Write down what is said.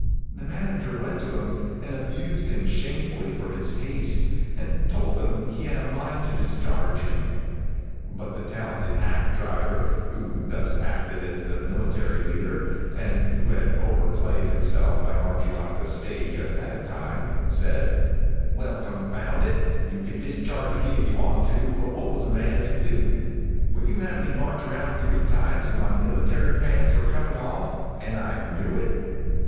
The manager went to him and abused him shamefully for his haste, and told him he had a mind to discharge him; but the talented hack driver, who thus acted as the military leader, and who had over played himself by marching off the stage ahead of time, said: [Illustration: 0249] "Well, confound it, you can discharge me if you want to, but what was a man to do? Would you have me march around three times when my military pants were coming off, and I knew it?